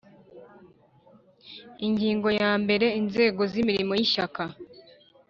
Ingingo ya mbere Inzego z imirimo y Ishyaka